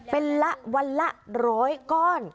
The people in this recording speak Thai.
เป็นละวันละ๑๐๐ก้อน